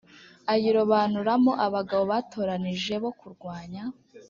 ayirobanuramo abagabo batoranije bo kurwanya